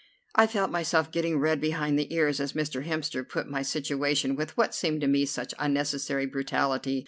I felt myself getting red behind the ears as Mr. Hemster put my situation with, what seemed to me, such unnecessary brutality.